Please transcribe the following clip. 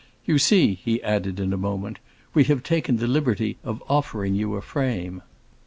You see," he added in a moment, "we have taken the liberty of offering you a frame.